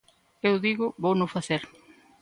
Eu digo, vouno facer.